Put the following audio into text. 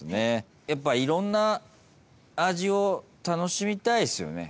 やっぱいろんな味を楽しみたいですよね。